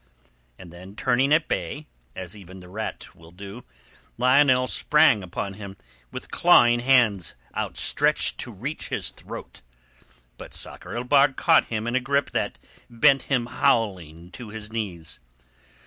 And then turning at bay, as even the rat will do, Lionel sprang upon him, with clawing hands outstretched to reach his throat. But Sakr el Bahr caught him in a grip that bent him howling to his knees.